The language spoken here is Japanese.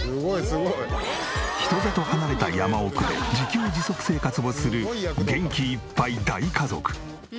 人里離れた山奥で自給自足生活をする元気いっぱい大家族。